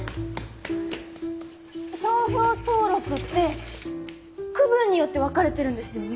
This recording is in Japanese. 商標登録って区分によって分かれてるんですよね？